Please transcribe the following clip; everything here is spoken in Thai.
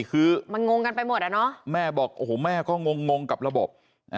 คือมันงงกันไปหมดอะเนาะแม่บอกโอ้โหแม่ก็งงกับระบบ